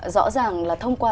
rõ ràng là thông qua